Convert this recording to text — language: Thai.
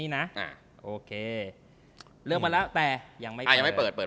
แล้วมันยังไม่เปิด